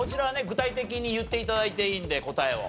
具体的に言って頂いていいんで答えを。